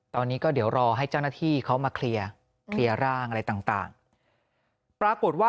ตอนนี้ก็เดี๋ยวรอให้เจ้าหน้าที่เขามาเคลียร์เคลียร์ร่างอะไรต่างปรากฏว่า